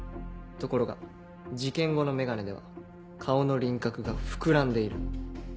ところが事件後の眼鏡では顔の輪郭が膨らんでいる。